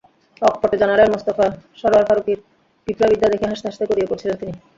অকপটে জানালেন, মোস্তফা সরয়ার ফারুকীর পিঁপড়াবিদ্যা দেখে হাসতে হাসতে গড়িয়ে পড়ছিলেন তিনি।